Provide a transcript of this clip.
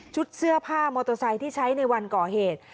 เสื้อผ้ามอเตอร์ไซค์ที่ใช้ในวันก่อเหตุ